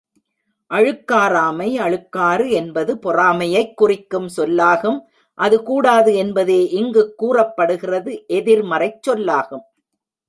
அழுக்காறாமை அழுக்காறு என்பது பொறாமையைக் குறிக்கும் சொல்லாகும் அது கூடாது என்பதே இங்குக் கூறப்படுகிறது எதிர்மறைச் சொல்லாகும்.